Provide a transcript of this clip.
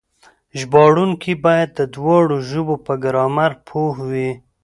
ژباړونکي بايد د دواړو ژبو په ګرامر پوه وي.